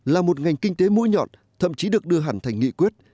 là một ngành kinh tế mũi nhọn thậm chí được đưa hẳn thành nghị quyết